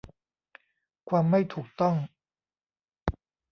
ความไม่ถูกต้อง